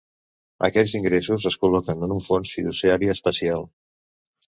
Aquests ingressos es col·loquen en un fons fiduciari especial.